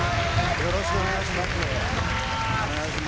よろしくお願いします。